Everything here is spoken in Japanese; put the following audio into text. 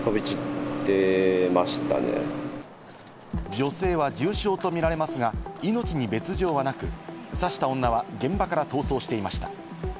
女性は重傷とみられますが、命に別条はなく、刺した女は現場から逃走していました。